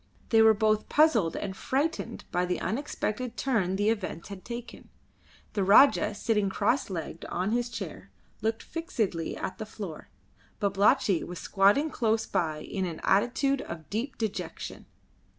They were both puzzled and frightened by the unexpected turn the events had taken. The Rajah, sitting crosslegged on his chair, looked fixedly at the floor; Babalatchi was squatting close by in an attitude of deep dejection.